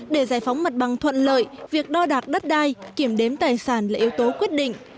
để giải phóng mặt bằng thuận lợi việc đo đạc đất đai kiểm đếm tài sản là yếu tố quyết định